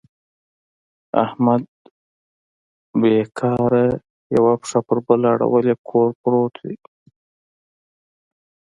احمد بېکاره یوه پښه په بله اړولې کور پورت دی.